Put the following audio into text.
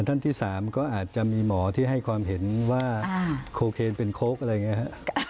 ท่านที่สามก็อาจจะมีหมอที่ให้ความเห็นว่าโคเคนเป็นโค้คอะไรเงี้ยฮะ